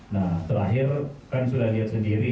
nah terakhir kan sudah lihat sendiri